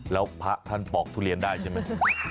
แล้วพระท่านปอกทุเรียนได้ใช่ไหม